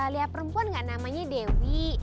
lihat perempuan gak namanya dewi